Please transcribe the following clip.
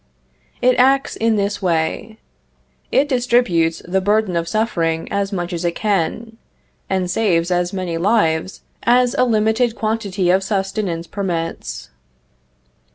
It acts in this way; it distributes the burden of suffering as much as it can, and saves as many lives as a limited quantity of sustenance permits.